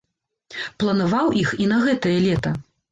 Планаваў іх і на гэтае лета.